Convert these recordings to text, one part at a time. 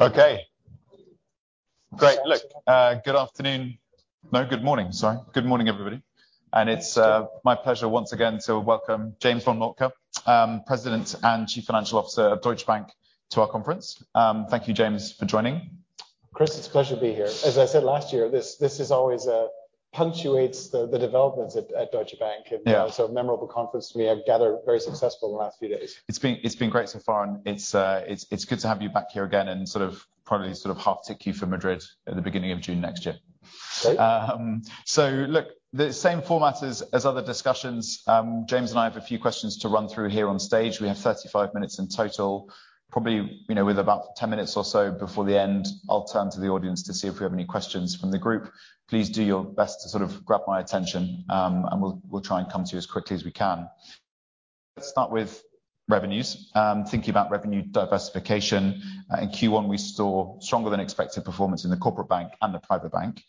Okay, great. Look, good afternoon. No, good morning. Sorry. Good morning, everybody. It's my pleasure once again to welcome James von Moltke, President and Chief Financial Officer of Deutsche Bank, to our conference. Thank you, James, for joining. Chris, it's a pleasure to be here. As I said last year, this is always punctuates the developments at Deutsche Bank. Yeah. also a memorable conference. We have gathered very successful in the last few days. It's been great so far, and it's good to have you back here again and sort of probably half tick you for Madrid at the beginning of June next year. Great. Look, the same format as other discussions. James and I have a few questions to run through here on stage. We have 35 minutes in total. Probably, you know, with about 10 minutes or so before the end, I'll turn to the audience to see if we have any questions from the group. Please do your best to sort of grab my attention, and we'll try and come to you as quickly as we can. Let's start with revenues. Thinking about revenue diversification. In Q1, we saw stronger than expected performance in the corporate bank and the private bank.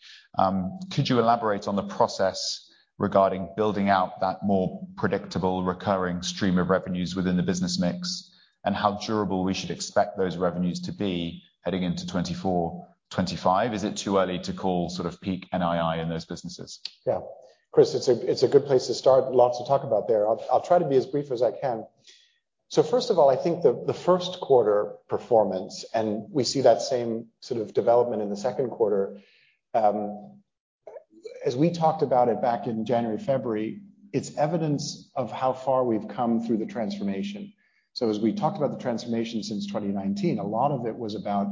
Could you elaborate on the process regarding building out that more predictable, recurring stream of revenues within the business mix, and how durable we should expect those revenues to be heading into 2024, 2025? Is it too early to call sort of peak NII in those businesses? Yeah. Chris, it's a, it's a good place to start. Lots to talk about there. I'll try to be as brief as I can. First of all, I think the first quarter performance, and we see that same sort of development in the second quarter, as we talked about it back in January, February, it's evidence of how far we've come through the transformation. As we talked about the transformation since 2019, a lot of it was about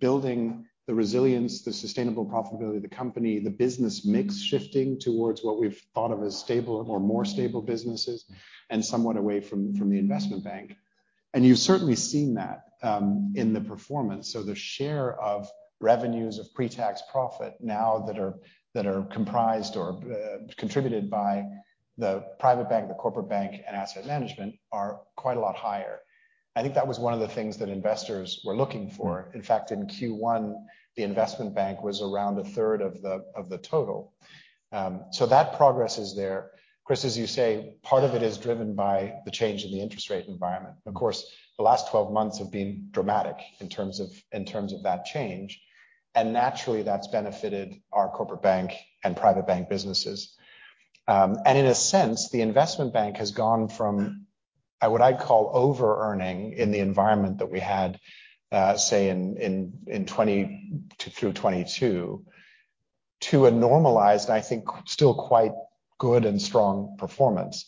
building the resilience, the sustainable profitability of the company, the business mix, shifting towards what we've thought of as stable or more stable businesses, and somewhat away from the investment bank. You've certainly seen that, in the performance. The share of revenues of pre-tax profit now that are, that are comprised or contributed by the private bank, the corporate bank, and asset management, are quite a lot higher. I think that was one of the things that investors were looking for. In fact, in Q1, the investment bank was around a third of the total. That progress is there. Chris, as you say, part of it is driven by the change in the interest rate environment. Of course, the last 12 months have been dramatic in terms of that change, and naturally, that's benefited our corporate bank and private bank businesses. In a sense, the investment bank has gone from what I'd call overearning in the environment that we had, say, in 20 through 22, to a normalized, I think, still quite good and strong performance.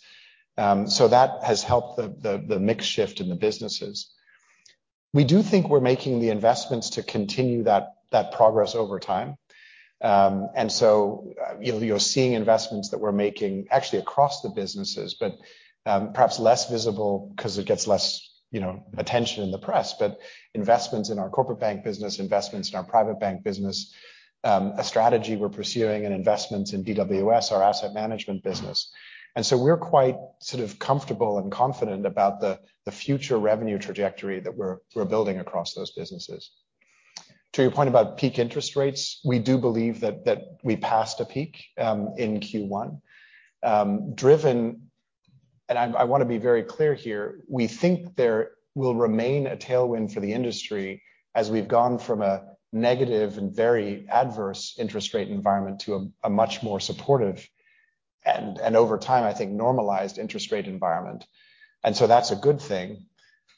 That has helped the mix shift in the businesses. We do think we're making the investments to continue that progress over time. You know, you're seeing investments that we're making actually across the businesses, but perhaps less visible because it gets less, you know, attention in the press. Investments in our corporate bank business, investments in our private bank business, a strategy we're pursuing, and investments in DWS, our asset management business. We're quite sort of comfortable and confident about the future revenue trajectory that we're building across those businesses. To your point about peak interest rates, we do believe that we passed a peak in Q1, driven, and I want to be very clear here, we think there will remain a tailwind for the industry as we've gone from a negative and very adverse interest rate environment to a much more supportive, and over time, I think, normalized interest rate environment. That's a good thing.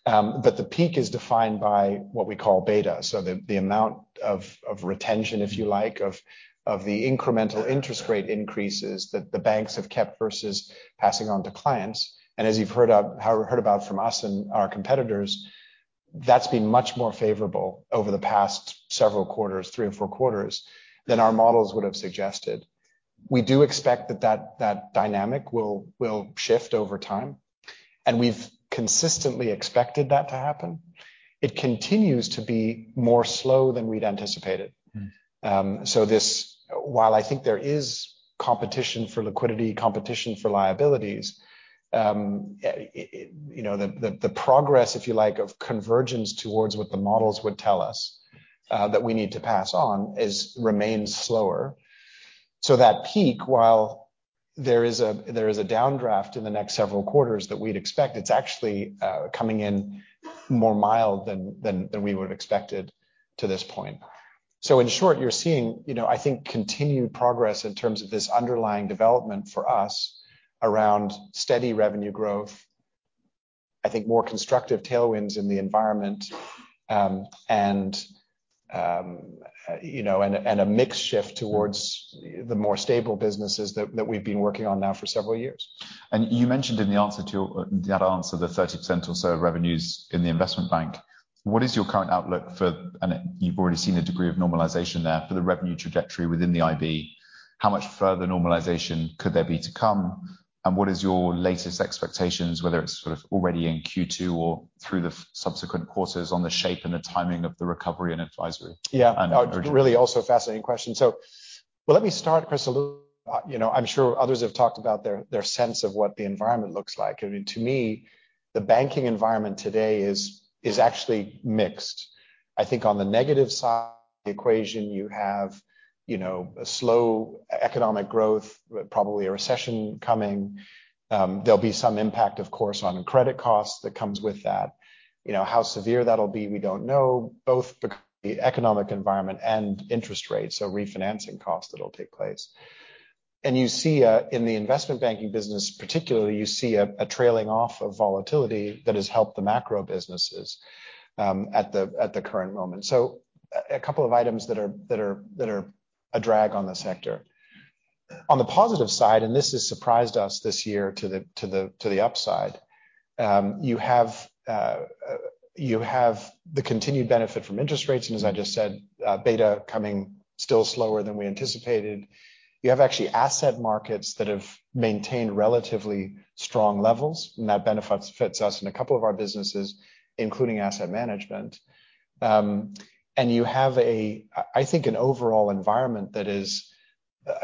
The peak is defined by what we call beta. The amount of retention, if you like, of the incremental interest rate increases that the banks have kept versus passing on to clients. As you've heard about from us and our competitors, that's been much more favorable over the past several quarters, 3 and 4 quarters, than our models would have suggested. We do expect that dynamic will shift over time, and we've consistently expected that to happen. It continues to be more slow than we'd anticipated. Mm. This, while I think there is competition for liquidity, competition for liabilities, you know, the progress, if you like, of convergence towards what the models would tell us, that we need to pass on is remains slower. That peak, while there is a downdraft in the next several quarters that we'd expect, it's actually coming in more mild than we would have expected to this point. In short, you're seeing, you know, I think, continued progress in terms of this underlying development for us around steady revenue growth, I think more constructive tailwinds in the environment, and, you know, and a mix shift towards the more stable businesses that we've been working on now for several years. You mentioned in the answer to that answer, the 30% or so of revenues in the investment bank. What is your current outlook for, you've already seen a degree of normalization there for the revenue trajectory within the IB. How much further normalization could there be to come, and what is your latest expectations, whether it's sort of already in Q2 or through the subsequent quarters on the shape and the timing of the recovery and Advisory? Yeah. Um- Really, also a fascinating question. Well, let me start, Chris, a little. You know, I'm sure others have talked about their sense of what the environment looks like. I mean, to me, the banking environment today is actually mixed. I think on the negative side the equation you have, you know, a slow economic growth, but probably a recession coming. There'll be some impact, of course, on credit costs that comes with that. You know, how severe that'll be, we don't know, both because the economic environment and interest rates, so refinancing costs that'll take place. You see in the investment banking business, particularly, you see a trailing off of volatility that has helped the macro businesses at the current moment. A couple of items that are a drag on the sector. On the positive side, this has surprised us this year to the upside, you have the continued benefit from interest rates. As I just said, beta coming still slower than we anticipated. You have actually asset markets that have maintained relatively strong levels, and that benefits us in a couple of our businesses, including asset management. You have a, I think, an overall environment that is,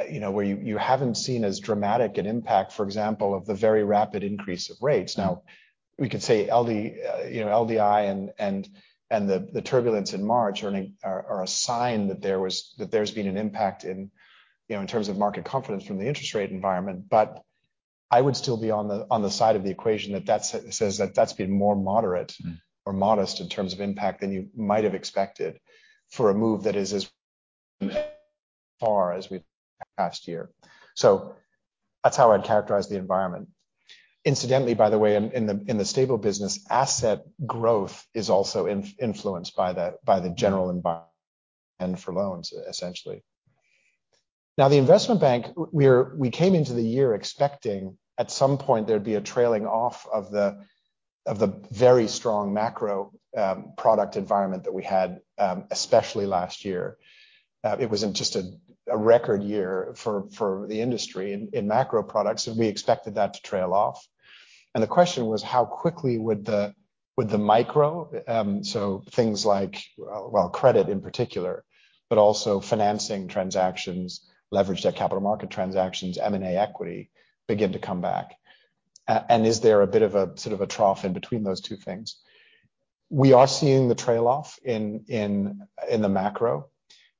you know, where you haven't seen as dramatic an impact, for example, of the very rapid increase of rates. We could say LD, you know, LDI and the turbulence in March are a sign that there's been an impact in, you know, in terms of market confidence from the interest rate environment. I would still be on the side of the equation that says that that's been more. Mm. Modest in terms of impact than you might have expected for a move that is as far as we've last year. That's how I'd characterize the environment. Incidentally, by the way, in the stable business, asset growth is also influenced by the general environment and for loans, essentially. The investment bank, we came into the year expecting at some point there'd be a trailing off of the very strong macro product environment that we had especially last year. It was just a record year for the industry in macro products, we expected that to trail off. The question was: How quickly would the micro, so things like, well, credit in particular, but also financing transactions, leveraged at capital market transactions, M&A equity, begin to come back? Is there a bit of a sort of a trough in between those two things? We are seeing the trail off in the macro,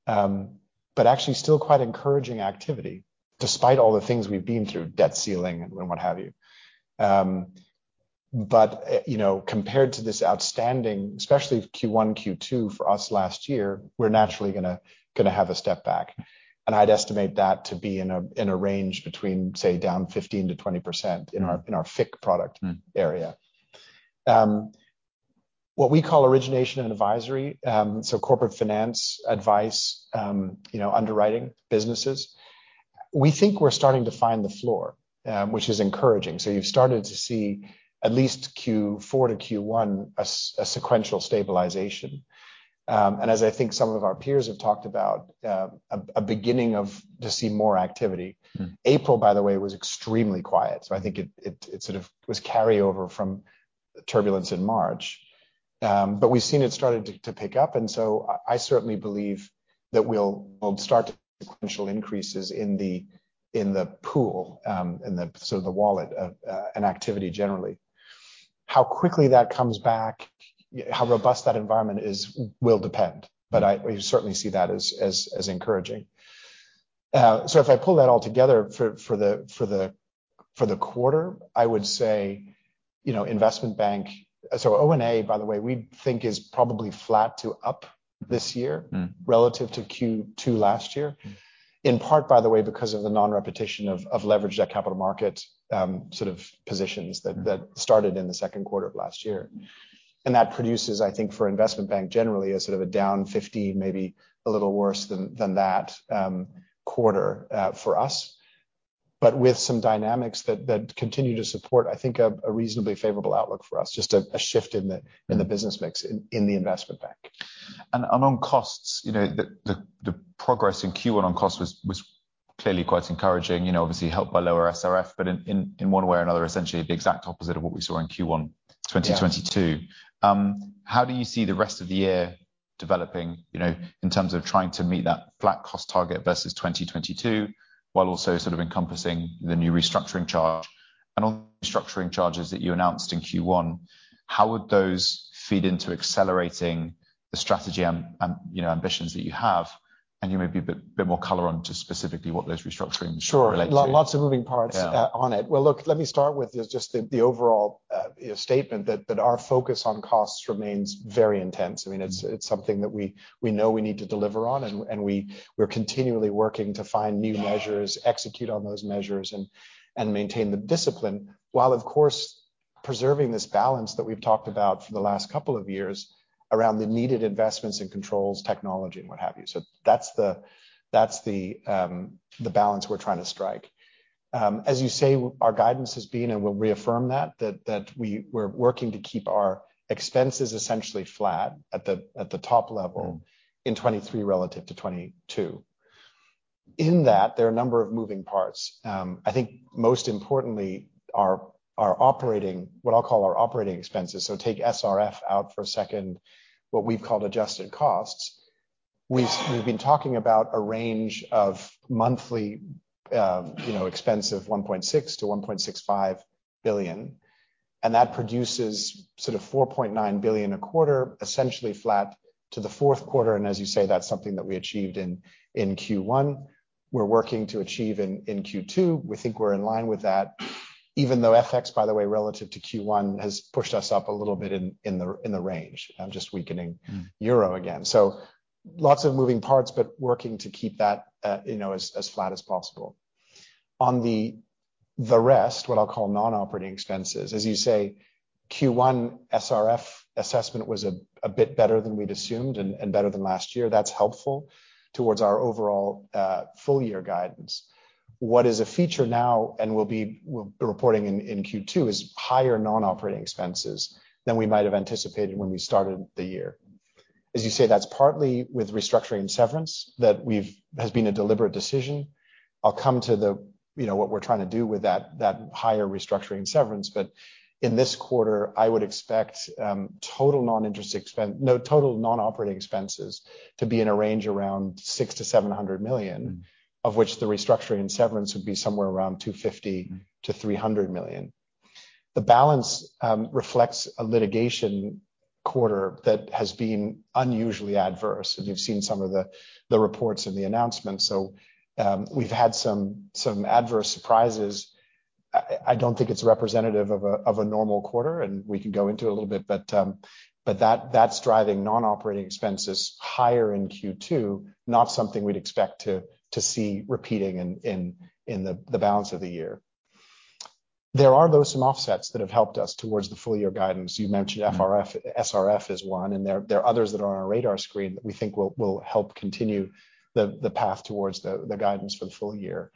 actually still quite encouraging activity despite all the things we've been through, debt ceiling and what have you. You know, compared to this outstanding, especially Q1, Q2 for us last year, we're naturally gonna have a step back. I'd estimate that to be in a range between, say, down 15%-20% in our FIC product. Mm. area. What we call Origination & Advisory, so corporate finance advice, you know, underwriting businesses, we think we're starting to find the floor, which is encouraging. You've started to see at least Q4 to Q1, a sequential stabilization. As I think some of our peers have talked about, a beginning of to see more activity. Mm. April, by the way, was extremely quiet, so I think it sort of was carry over from the turbulence in March. We've seen it started to pick up, I certainly believe that we'll start to sequential increases in the pool, in the sort of the wallet, and activity generally. How quickly that comes back, how robust that environment is, will depend, but we certainly see that as encouraging. If I pull that all together for the quarter, I would say, you know, investment bank... O&A, by the way, we think is probably flat to up this year- Mm. relative to Q2 last year. Mm. In part, by the way, because of the non-repetition of leverage, that capital market, sort of. Mm That started in the second quarter of last year. That produces, I think, for investment bank, generally a sort of a down 15, maybe a little worse than that, quarter, for us. With some dynamics that continue to support, I think, a reasonably favorable outlook for us, just a shift in the- Mm In the business mix, in the investment bank. On costs, you know, the progress in Q1 on costs was clearly quite encouraging, you know, obviously helped by lower SRF, but in one way or another, essentially the exact opposite of what we saw in Q1 2022. Yeah. How do you see the rest of the year developing, you know, in terms of trying to meet that flat cost target versus 2022, while also sort of encompassing the new restructuring charge? On restructuring charges that you announced in Q1, how would those feed into accelerating the strategy and, you know, ambitions that you have? You may be a bit more color on to specifically what those restructuring relate to. Sure. Lots of moving parts... Yeah On it. Look, let me start with just the overall, you know, statement that our focus on costs remains very intense. Mm. I mean, it's something that we know we need to deliver on, and we're continually working to find new measures, execute on those measures, and maintain the discipline, while, of course, preserving this balance that we've talked about for the last couple of years around the needed investments in controls, technology, and what have you. That's the balance we're trying to strike. As you say, our guidance has been, and we'll reaffirm that, we're working to keep our expenses essentially flat at the top level. Mm in 2023 relative to 2022. In that, there are a number of moving parts. I think most importantly, our operating, what I'll call our operating expenses, so take SRF out for a second, what we've called adjusted costs. We've been talking about a range of monthly, you know, expensive 1.6 billion-1.65 billion, and that produces sort of 4.9 billion a quarter, essentially flat to the fourth quarter. As you say, that's something that we achieved in Q1. We're working to achieve in Q2. We think we're in line with that, even though FX, by the way, relative to Q1, has pushed us up a little bit in the range, just weakening euro again. Lots of moving parts, but working to keep that, you know, as flat as possible. On the rest, what I'll call non-operating expenses, as you say, Q1 SRF assessment was a bit better than we'd assumed and better than last year. That's helpful towards our overall full year guidance. What is a feature now, and we'll be reporting in Q2, is higher non-operating expenses than we might have anticipated when we started the year. As you say, that's partly with restructuring severance, that has been a deliberate decision. I'll come to the, you know, what we're trying to do with that higher restructuring severance. In this quarter, I would expect total non-interest expense... Total non-operating expenses to be in a range around 600 million-700 million, of which the restructuring and severance would be somewhere around 250 million-300 million. The balance reflects a litigation quarter that has been unusually adverse. You've seen the reports and the announcements. We've had some adverse surprises. I don't think it's representative of a normal quarter, and we can go into a little bit. That's driving non-operating expenses higher in Q2, not something we'd expect to see repeating in the balance of the year. There are, though, some offsets that have helped us towards the full year guidance. You mentioned SRF. SRF is one, there are others that are on our radar screen that we think will help continue the path towards the guidance for the full year.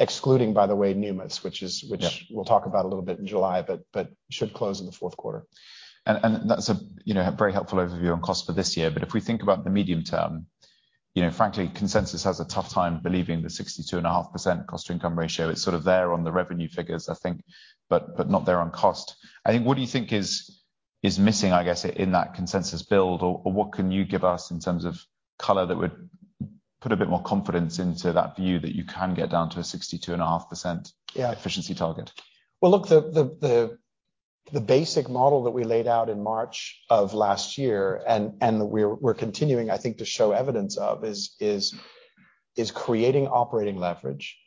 Excluding, by the way, Numis. Yeah. Which we'll talk about a little bit in July, but should close in the fourth quarter. That's a, you know, very helpful overview on cost for this year. If we think about the medium term, you know, frankly, consensus has a tough time believing the 62.5% cost-to-income ratio. It's sort of there on the revenue figures, I think, not there on cost. I think, what do you think is missing, I guess, in that consensus build? What can you give us in terms of color that would put a bit more confidence into that view that you can get down to a 62.5%- Yeah efficiency target? Well, look, the basic model that we laid out in March of last year, and we're continuing, I think, to show evidence of, is creating operating leverage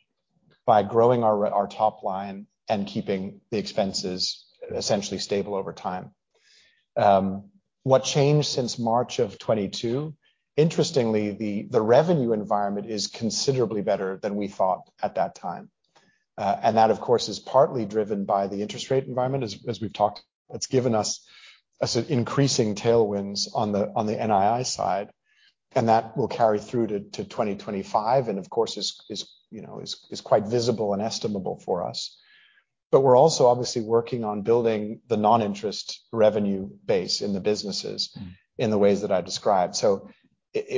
by growing our top line and keeping the expenses essentially stable over time. What changed since March of 2022? Interestingly, the revenue environment is considerably better than we thought at that time. That, of course, is partly driven by the interest rate environment. As we've talked, it's given us an increasing tailwinds on the NII side, and that will carry through to 2025, and of course, is, you know, is quite visible and estimable for us. We're also obviously working on building the non-interest revenue base in the businesses- Mm-hmm. in the ways that I described.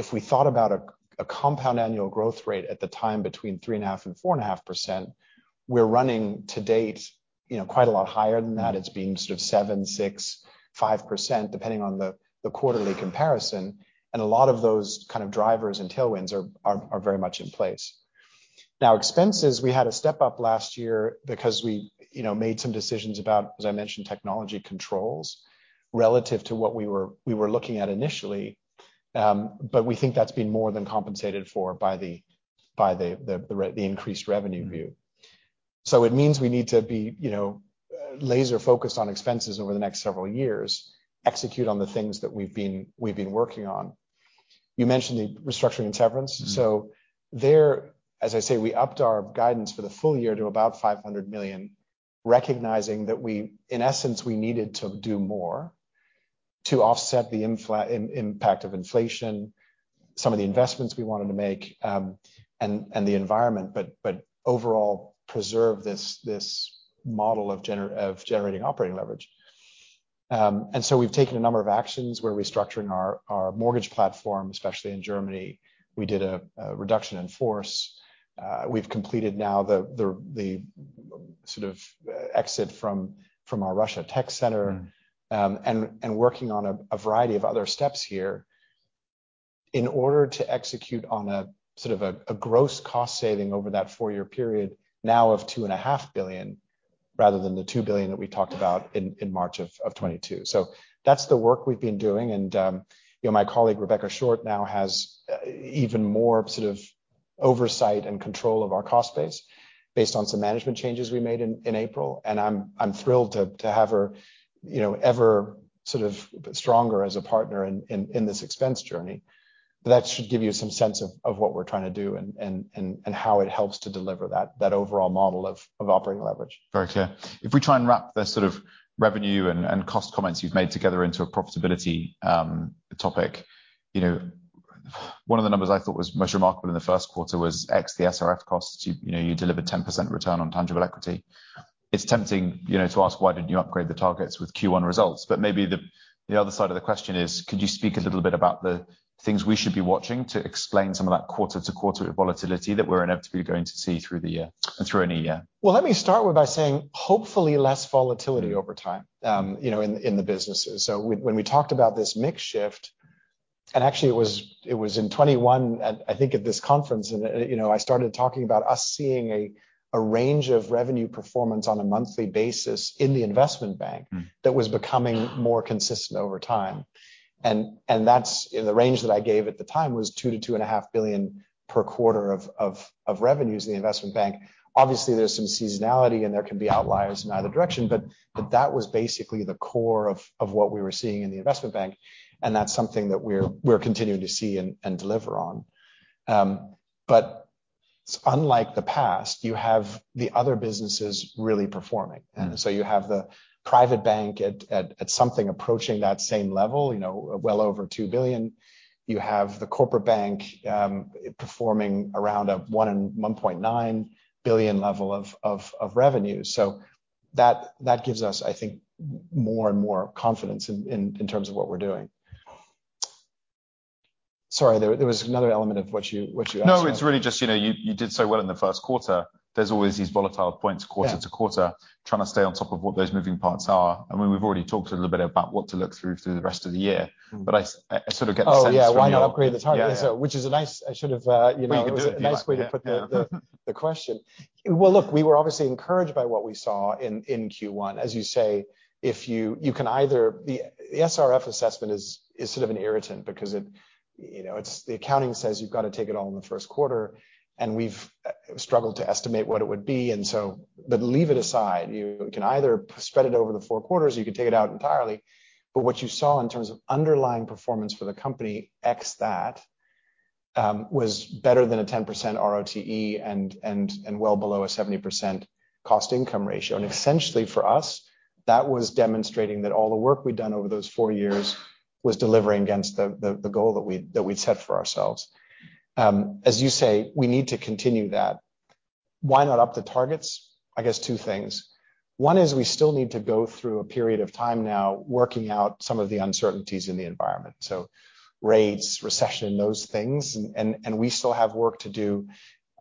If we thought about a compound annual growth rate at the time, between 3.5% and 4.5%, we're running to date, you know, quite a lot higher than that. It's been sort of 7%, 6%, 5%, depending on the quarterly comparison, and a lot of those kind of drivers and tailwinds are very much in place. Now, expenses, we had a step-up last year because we, you know, made some decisions about, as I mentioned, technology controls relative to what we were looking at initially. But we think that's been more than compensated for by the increased revenue view. Mm-hmm. It means we need to be, you know, laser focused on expenses over the next several years, execute on the things that we've been working on. You mentioned the restructuring and severance. Mm-hmm. There, as I say, we upped our guidance for the full year to about 500 million, recognizing that we, in essence, needed to do more to offset the impact of inflation, some of the investments we wanted to make, and the environment, overall, preserve this model of generating operating leverage. We've taken a number of actions. We're restructuring our mortgage platform, especially in Germany. We did a reduction in force. We've completed now the sort of exit from our Russia Tech Center. Mm. And working on a variety of other steps here in order to execute on a sort of a gross cost saving over that 4-year period, now of 2.5 billion, rather than the 2 billion that we talked about in March of 2022. That's the work we've been doing. You know, my colleague, Rebecca Short, now has even more sort of oversight and control of our cost base based on some management changes we made in April. I'm thrilled to have her, you know, ever sort of stronger as a partner in this expense journey. That should give you some sense of what we're trying to do and how it helps to deliver that overall model of operating leverage. Very clear. If we try and wrap the sort of revenue and cost comments you've made together into a profitability topic. You know, one of the numbers I thought was most remarkable in the first quarter was X, the SRF costs. You know, you delivered 10% return on tangible equity. It's tempting, you know, to ask: Why didn't you upgrade the targets with Q1 results? Maybe the other side of the question is: Could you speak a little bit about the things we should be watching to explain some of that quarter-to-quarter volatility that we're inevitably going to see through the year, through any year? Let me start with by saying hopefully less volatility- Mm. over time, you know, in the businesses. When we talked about this mix shift... Actually it was in 2021, and I think at this conference, and, you know, I started talking about us seeing a range of revenue performance on a monthly basis in the Investment Bank. Mm. that was becoming more consistent over time. That's in the range that I gave at the time, was 2 billion-2.5 billion per quarter of revenues in the Investment Bank. Obviously, there's some seasonality, and there can be outliers in either direction, but that was basically the core of what we were seeing in the Investment Bank, and that's something that we're continuing to see and deliver on. Unlike the past, you have the other businesses really performing. Mm. You have the private bank at something approaching that same level, you know, well over 2 billion. You have the corporate bank performing around a 1.9 billion level of revenue. That gives us, I think, more and more confidence in terms of what we're doing. Sorry, there was another element of what you asked about. No, it's really just, you know, you did so well in the first quarter. There's always these volatile points quarter to quarter. Yeah Trying to stay on top of what those moving parts are. I mean, we've already talked a little bit about what to look through for the rest of the year. Mm. I sort of get the sense from. Oh, yeah, why not upgrade the target? Yeah. Which is a nice I should have, you know, a nice way to put the question. Well, look, we were obviously encouraged by what we saw in Q1. As you say, if you can either the SRF assessment is sort of an irritant because it, you know, it's the accounting says you've got to take it all in the first quarter, and we've struggled to estimate what it would be, and so but leave it aside. You can either spread it over the 4 quarters, or you can take it out entirely. What you saw in terms of underlying performance for the company, X, that was better than a 10% ROTE and well below a 70% cost-to-income ratio. Essentially, for us, that was demonstrating that all the work we've done over those four years was delivering against the goal that we'd set for ourselves. As you say, we need to continue that. Why not up the targets? I guess two things. One is we still need to go through a period of time now working out some of the uncertainties in the environment, so rates, recession, those things. We still have work to do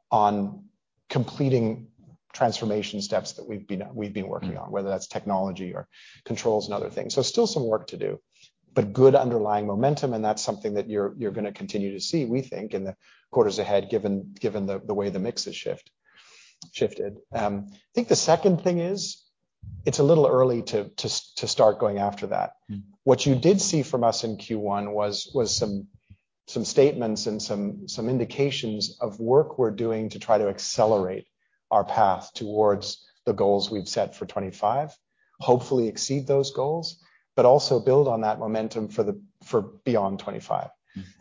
on completing transformation steps that we've been working on. Mm-hmm Whether that's technology or controls and other things. Still some work to do, but good underlying momentum, and that's something that you're going to continue to see, we think, in the quarters ahead, given the way the mixes shifted. I think the second thing is it's a little early to start going after that. Mm. What you did see from us in Q1 was some statements and some indications of work we're doing to try to accelerate our path towards the goals we've set for 25, hopefully exceed those goals, but also build on that momentum for beyond 25.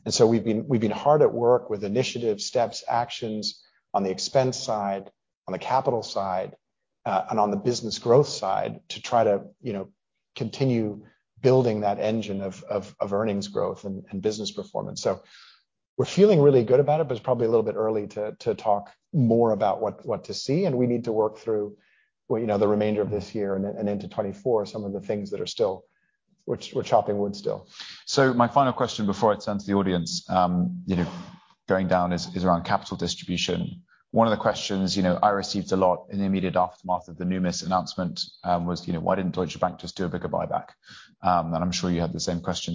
Mm. We've been hard at work with initiative steps, actions on the expense side, on the capital side, and on the business growth side, to try to, you know, continue building that engine of earnings growth and business performance. We're feeling really good about it, but it's probably a little bit early to talk more about what to see, and we need to work through, well, you know, the remainder of this year and into 2024, some of the things that are still, we're chopping wood still. My final question before I turn to the audience, you know, going down is around capital distribution. 1 of the questions, you know, I received a lot in the immediate aftermath of the Numis announcement, was, you know, why didn't Deutsche Bank just do a bigger buyback? I'm sure you had the same question.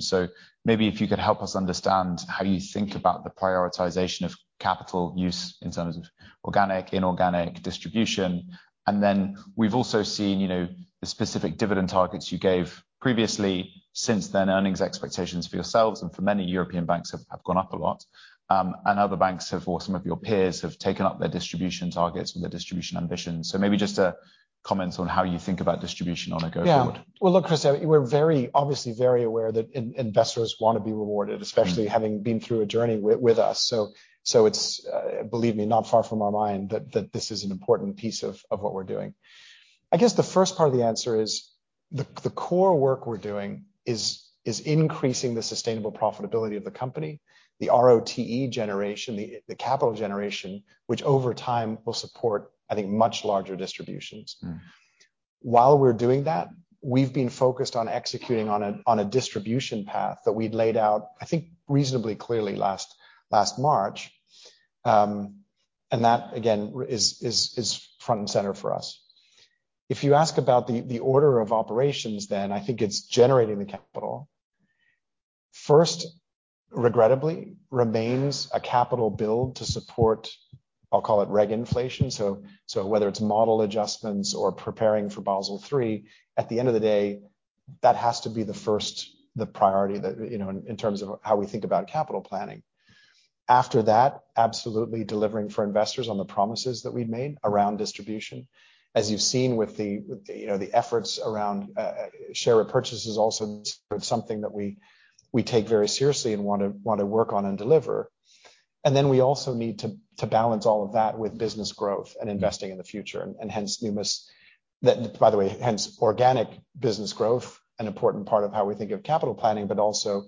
Maybe if you could help us understand how you think about the prioritization of capital use in terms of organic, inorganic distribution. We've also seen, you know, the specific dividend targets you gave previously. Since then, earnings expectations for yourselves and for many European banks have gone up a lot, other banks have, or some of your peers have taken up their distribution targets and their distribution ambitions. Maybe just a comment on how you think about distribution on a go forward. Yeah. Well, look, Chris, we're very, obviously very aware that investors want to be rewarded... Mm Especially having been through a journey with us. It's, believe me, not far from our mind that this is an important piece of what we're doing. I guess the first part of the answer is the core work we're doing is increasing the sustainable profitability of the company, the ROTE generation, the capital generation, which over time will support, I think, much larger distributions. Mm. While we're doing that, we've been focused on executing on a distribution path that we'd laid out, I think, reasonably clearly last March. That, again, is front and center for us. If you ask about the order of operations, I think it's generating the capital. First, regrettably, remains a capital build to support, I'll call it reg inflation. Whether it's model adjustments or preparing for Basel III, at the end of the day, that has to be the first priority that, you know, in terms of how we think about capital planning. After that, absolutely delivering for investors on the promises that we've made around distribution. As you've seen with the, you know, the efforts around share repurchases, also sort of something that we take very seriously and want to work on and deliver. Then we also need to balance all of that with business growth. Mm and investing in the future, and hence, Numis. That by the way, hence, organic business growth, an important part of how we think of capital planning, but also,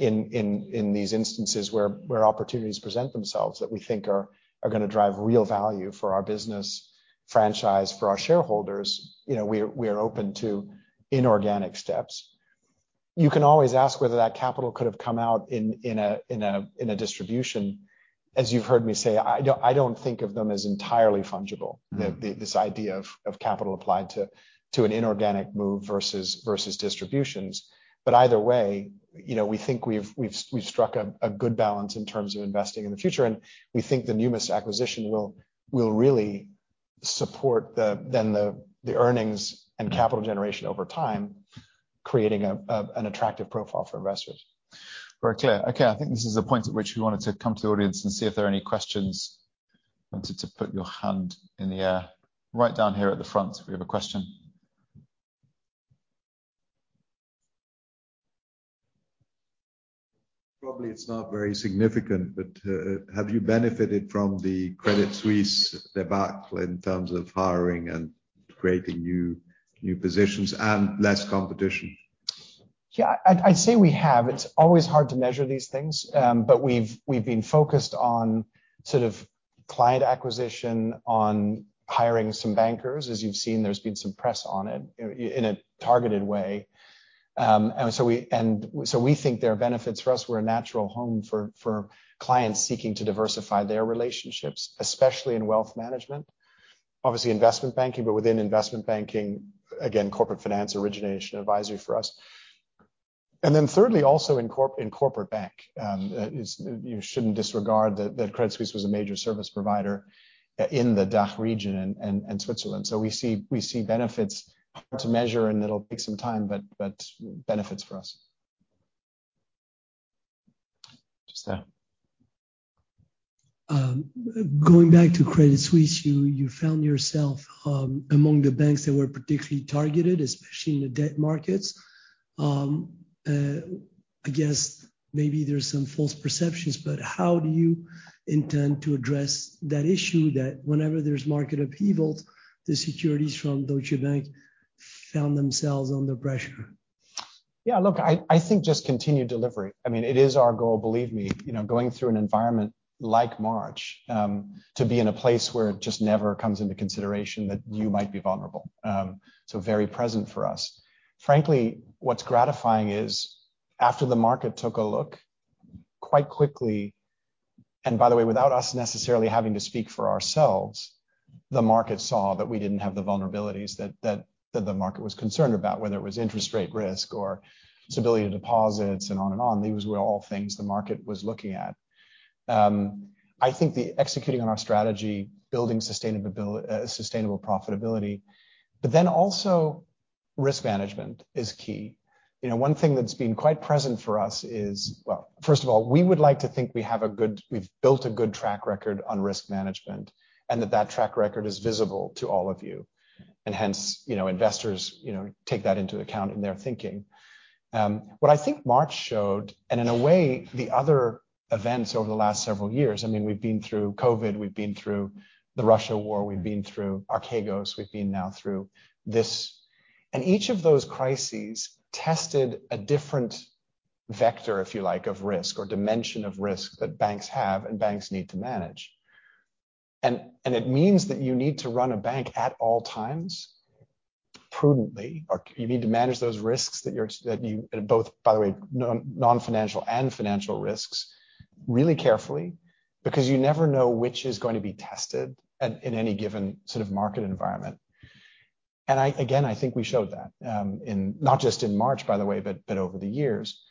in these instances where opportunities present themselves that we think are going to drive real value for our business franchise, for our shareholders, you know, we are open to inorganic steps. You can always ask whether that capital could have come out in a distribution. As you've heard me say, I don't think of them as entirely fungible, this idea of capital applied to an inorganic move versus distributions. Either way, you know, we think we've struck a good balance in terms of investing in the future, and we think the Numis acquisition will really support the earnings and capital generation over time, creating an attractive profile for investors. Very clear. Okay, I think this is the point at which we wanted to come to the audience and see if there are any questions. Wanted to put your hand in the air. Right down here at the front, we have a question. Probably it's not very significant, but have you benefited from the Credit Suisse debacle in terms of hiring and creating new positions and less competition? Yeah, I'd say we have. It's always hard to measure these things, but we've been focused on sort of client acquisition, on hiring some bankers. As you've seen, there's been some press on it in a targeted way. we think there are benefits for us. We're a natural home for clients seeking to diversify their relationships, especially in wealth management, obviously investment banking, but within investment banking, again, corporate finance, Origination & Advisory for us. Thirdly, also in corporate bank, you shouldn't disregard that Credit Suisse was a major service provider in the DACH region and Switzerland. we see benefits hard to measure, and it'll take some time, but benefits for us. Just there. Going back to Credit Suisse, you found yourself among the banks that were particularly targeted, especially in the debt markets. I guess maybe there's some false perceptions, but how do you intend to address that issue, that whenever there's market upheavals, the securities from Deutsche Bank found themselves under pressure? Yeah, look, I think just continued delivery. I mean, it is our goal, believe me, you know, going through an environment like March, to be in a place where it just never comes into consideration that you might be vulnerable. Very present for us. Frankly, what's gratifying is, after the market took a look, quite quickly, and by the way, without us necessarily having to speak for ourselves, the market saw that we didn't have the vulnerabilities that the market was concerned about, whether it was interest rate risk or stability of deposits, and on and on. These were all things the market was looking at. I think the executing on our strategy, building sustainable profitability, also risk management is key. You know, one thing that's been quite present for us is. Well, first of all, we would like to think we've built a good track record on risk management, and that that track record is visible to all of you. Hence, you know, investors, you know, take that into account in their thinking. What I think March showed, and in a way, the other events over the last several years, I mean, we've been through COVID, we've been through the Russia war, we've been through Archegos, we've been now through this. Each of those crises tested a different vector, if you like, of risk or dimension of risk that banks have and banks need to manage. It means that you need to run a bank at all times prudently, or you need to manage those risks that you, both, by the way, non-financial and financial risks, really carefully, because you never know which is going to be tested at, in any given sort of market environment. I, again, I think we showed that in, not just in March, by the way, but over the years.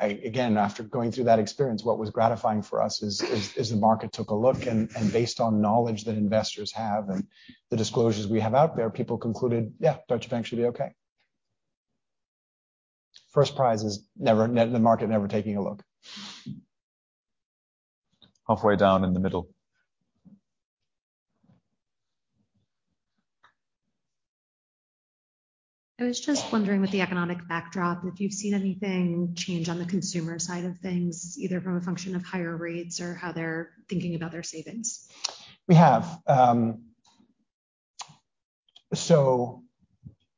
Again, after going through that experience, what was gratifying for us is the market took a look, and based on knowledge that investors have and the disclosures we have out there, people concluded, "Yeah, Deutsche Bank should be okay." First prize is never the market never taking a look. Halfway down in the middle. I was just wondering, with the economic backdrop, if you've seen anything change on the consumer side of things, either from a function of higher rates or how they're thinking about their savings? We have.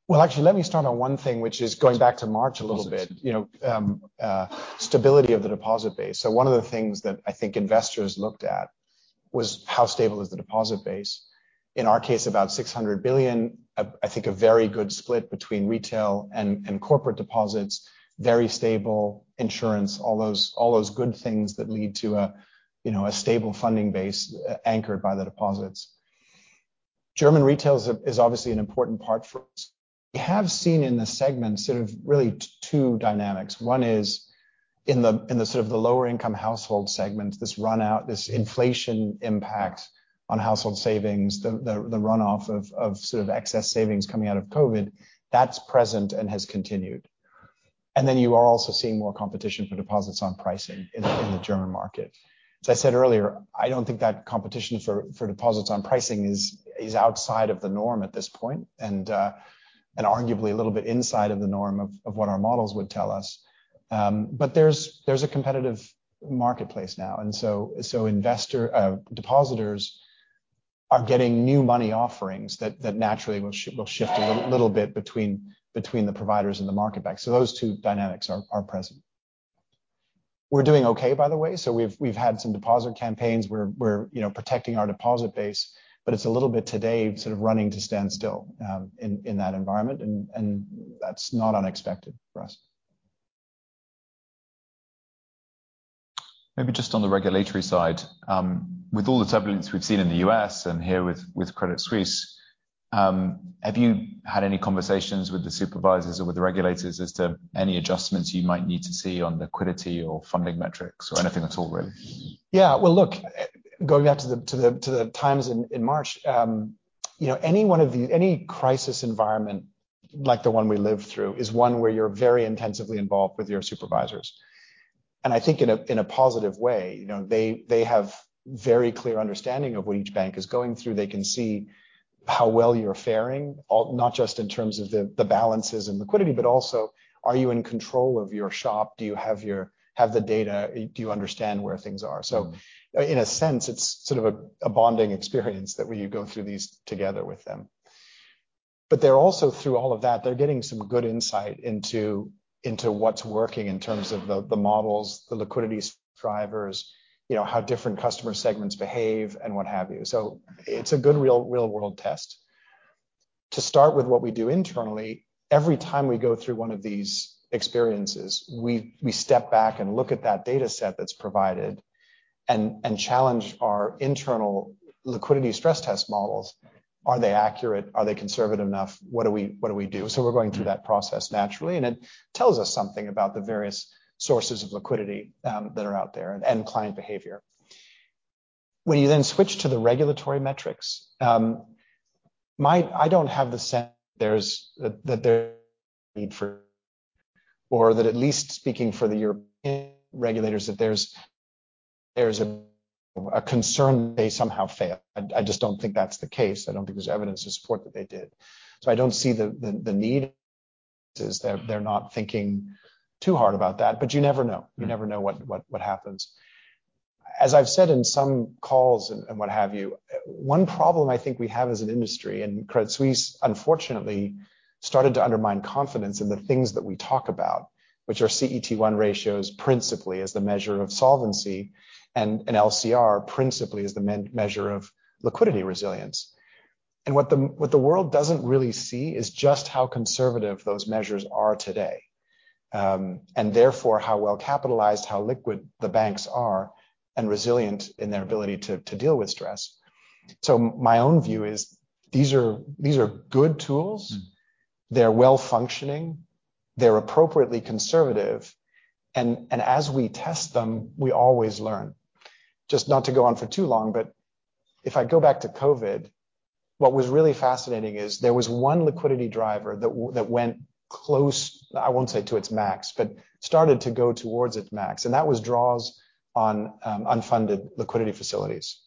Well, actually, let me start on one thing, which is going back to March a little bit, you know, stability of the deposit base. One of the things that I think investors looked at was how stable is the deposit base? In our case, about 600 billion, I think a very good split between retail and corporate deposits, very stable insurance, all those good things that lead to a, you know, a stable funding base anchored by the deposits. German retail is obviously an important part for us. We have seen in the segment sort of really two dynamics. One is in the sort of the lower-income household segment, this run out, this inflation impact on household savings, the runoff of sort of excess savings coming out of COVID, that's present and has continued. Then you are also seeing more competition for deposits on pricing in the German market. As I said earlier, I don't think that competition for deposits on pricing is outside of the norm at this point, and arguably a little bit inside of the norm of what our models would tell us. There's a competitive marketplace now, and so, depositors are getting new money offerings that naturally will shift a little bit between the providers and the market back. Those two dynamics are present. We're doing okay, by the way. We've had some deposit campaigns. We're, you know, protecting our deposit base, but it's a little bit today sort of running to standstill, in that environment, and that's not unexpected for us. Maybe just on the regulatory side, with all the turbulence we've seen in the U.S. and here with Credit Suisse, have you had any conversations with the supervisors or with the regulators as to any adjustments you might need to see on liquidity or funding metrics or anything at all, really? Well, look, going back to the times in March, you know, any crisis environment, like the one we lived through, is one where you're very intensively involved with your supervisors. I think in a positive way, you know, they have very clear understanding of what each bank is going through. They can see how well you're faring, not just in terms of the balances and liquidity, but also, are you in control of your shop? Do you have the data, do you understand where things are? In a sense, it's sort of a bonding experience that when you go through these together with them. They're also, through all of that, they're getting some good insight into what's working in terms of the models, the liquidity drivers, you know, how different customer segments behave, and what have you. It's a good, real-world test. To start with what we do internally, every time we go through one of these experiences, we step back and look at that data set that's provided and challenge our internal liquidity stress test models. Are they accurate? Are they conservative enough? What do we do? We're going through that process naturally, and it tells us something about the various sources of liquidity that are out there, and client behavior. When you switch to the regulatory metrics, I don't have the sense there's that there need for... That, at least speaking for the European regulators, there's a concern they somehow fail. I just don't think that's the case. I don't think there's evidence to support that they did. I don't see the need is they're not thinking too hard about that, but you never know. You never know what happens. As I've said in some calls and what have you, one problem I think we have as an industry, Credit Suisse, unfortunately, started to undermine confidence in the things that we talk about, which are CET1 ratios, principally as the measure of solvency, and LCR, principally as the measure of liquidity resilience. What the world doesn't really see is just how conservative those measures are today. Therefore, how well-capitalized, how liquid the banks are, and resilient in their ability to deal with stress. My own view is these are good tools. Mm. They're well-functioning, they're appropriately conservative, and as we test them, we always learn. Just not to go on for too long, but if I go back to COVID, what was really fascinating is there was one liquidity driver that went close, I won't say to its max, but started to go towards its max, and that was draws on unfunded liquidity facilities.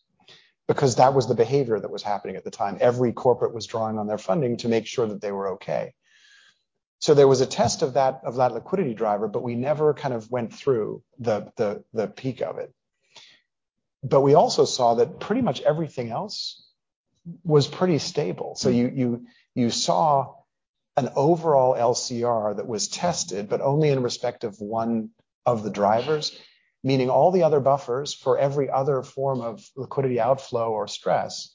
That was the behavior that was happening at the time. Every corporate was drawing on their funding to make sure that they were okay. There was a test of that liquidity driver, but we never kind of went through the peak of it. We also saw that pretty much everything else was pretty stable. You saw an overall LCR that was tested, but only in respect of one of the drivers, meaning all the other buffers for every other form of liquidity, outflow, or stress,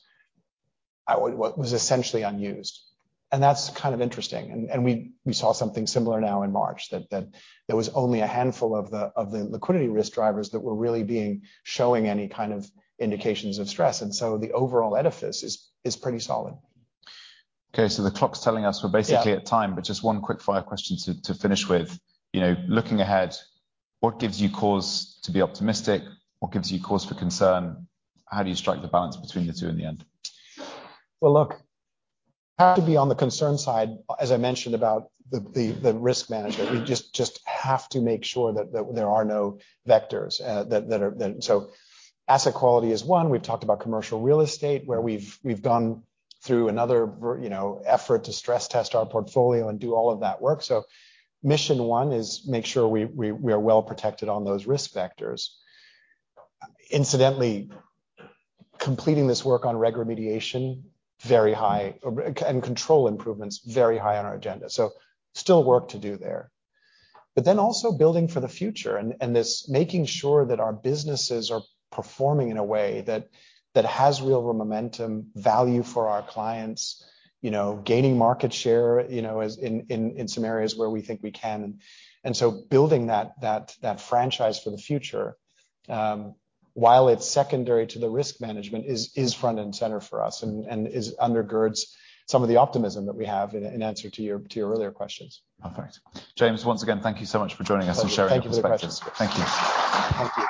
was essentially unused. That's kind of interesting, and we saw something similar now in March, that there was only a handful of the liquidity risk drivers that were really being showing any kind of indications of stress, so the overall edifice is pretty solid. Okay, the clock's telling us we're basically- Yeah At time, but just one quick fire question to finish with. You know, looking ahead, what gives you cause to be optimistic? What gives you cause for concern? How do you strike the balance between the two in the end? Well, look, have to be on the concern side, as I mentioned, about the risk management. We just have to make sure that there are no vectors that are. Asset quality is one. We've talked about commercial real estate, where we've gone through another you know, effort to stress test our portfolio and do all of that work. Mission one is make sure we are well protected on those risk vectors. Incidentally, completing this work on reg remediation, very high, and control improvements, very high on our agenda. Still work to do there. Also building for the future and this making sure that our businesses are performing in a way that has real momentum, value for our clients, you know, gaining market share, you know, as in some areas where we think we can. Building that franchise for the future, while it's secondary to the risk management, is front and center for us, and is undergirds some of the optimism that we have in answer to your earlier questions. Perfect. James, once again, thank you so much for joining us and sharing your perspective. Thank you. Thank you.